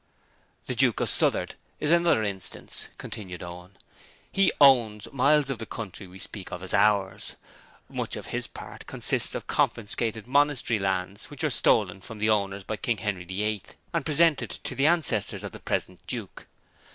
'The Duke of Southward is another instance,' continued Owen. 'He "owns" miles of the country we speak of as "ours". Much of his part consists of confiscated monastery lands which were stolen from the owners by King Henry VIII and presented to the ancestors of the present Duke.